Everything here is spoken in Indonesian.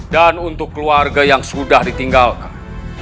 dan untuk keluarga yang sudah ditinggalkan